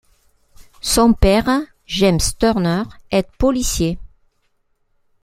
Son père, James Turner, est policier.